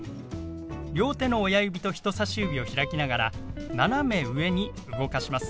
両手の親指と人さし指を開きながら斜め上に動かします。